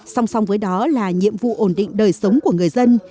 song song với đó là nhiệm vụ ổn định đời sống của người dân